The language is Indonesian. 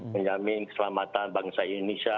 menyamin keselamatan bangsa indonesia